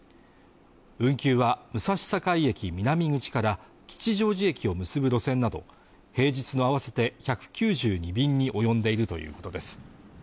運休は武蔵境駅南口から吉祥寺駅を結ぶ路線など平日の合わせて１９２便に及んでいるということです